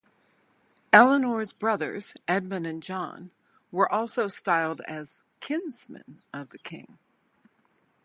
Eleanor's brothers, Edmund and John were also styled as "kinsmen" of the king.